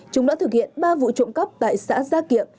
chúng đã thực hiện ba vụ trộm cắp tại xã gia kiệm